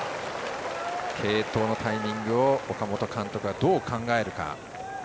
継投のタイミングを岡本監督はどう考えるのか。